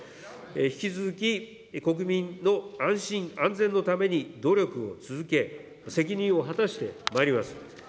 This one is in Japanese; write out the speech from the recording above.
引き続き、国民の安心・安全のために努力を続け、責任を果たしてまいります。